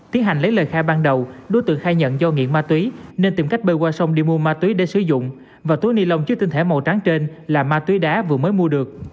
tiến hành lấy lời khai ban đầu đối tượng khai nhận do nghiện ma túy nên tìm cách bơi qua sông đi mua ma túy để sử dụng và túi ni lông chứa tinh thể màu trắng trên là ma túy đá vừa mới mua được